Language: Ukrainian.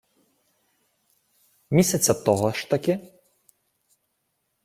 Місяця того ж таки